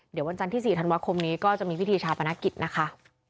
เดี๋ยววันจันทร์ที่๔ธันวาคมนี้ก็จะมีพิธีชาปนกิจนะคะ